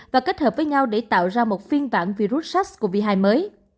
và kết hợp với nhau để tạo ra một phiên bản virus sars cov hai mới